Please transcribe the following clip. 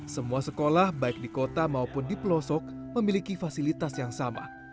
semua sekolah baik di kota maupun di pelosok memiliki fasilitas yang sama